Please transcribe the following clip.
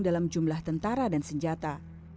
dalam jumlah tentara dan senjata